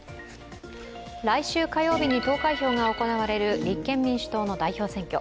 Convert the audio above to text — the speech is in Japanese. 来週火曜日に投開票が行われる立憲民主党の代表選挙。